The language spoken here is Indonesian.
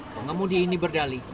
pengemudi ini berdali